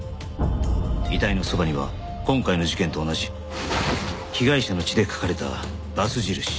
遺体のそばには今回の事件と同じ被害者の血で書かれたバツ印。